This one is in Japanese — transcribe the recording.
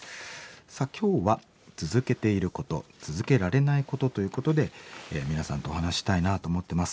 さあ今日は「続けていること続けられないこと」ということで皆さんとお話ししたいなと思ってます。